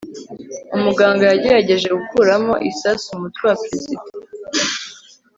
umuganga yagerageje gukuramo isasu mu mutwe wa perezida